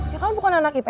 ya kamu bukan anak ips ya